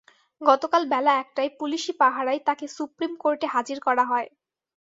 গতকাল বেলা একটায় পুলিশি পাহারায় তাঁকে সুপ্রিম কোর্টে হাজির করা হয়।